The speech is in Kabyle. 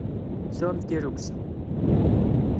Sɛumt tirrugza!